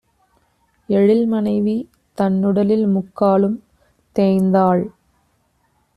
எழில்மனைவி தன்னுடலில் முக்காலும் தேய்ந்தாள்!